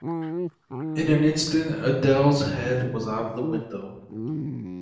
In an instant Adele's head was out of the window.